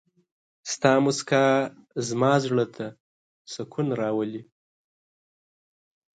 ستا مسکا زما زړه ته سکون راولي.